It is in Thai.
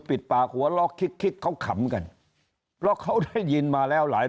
ปิดปากหัวล็อกคิดคิดเขาขำกันเพราะเขาได้ยินมาแล้วหลาย